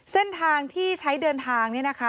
เส้นทางที่ใช้เดินทางเนี่ยนะคะ